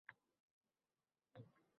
Undan ko’ra bu yerda o’rindiqlar ko’p.